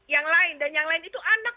yang lain dan yang lain itu anak